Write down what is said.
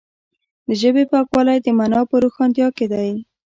د ژبې پاکوالی د معنا په روښانتیا کې دی.